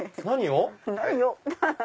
何を？